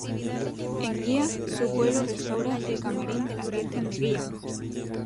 En Guía, su pueblo, restaura el Camarín de la Virgen de Guía.